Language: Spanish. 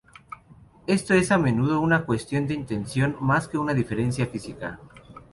Esto es a menudo una cuestión de intención más que una diferencia física.